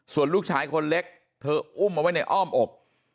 ส่วนลูกชายคนเล็กเธออุ้มเอาไว้ในอ้อมอก